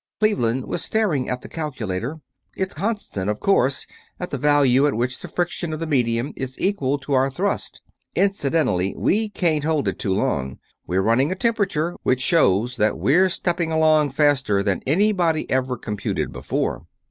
Cleveland was staring at the calculator. "It's constant, of course, at the value at which the friction of the medium is equal to our thrust. Incidentally, we can't hold it too long. We're running a temperature, which shows that we're stepping along faster than anybody ever computed before.